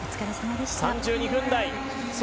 ３２分台。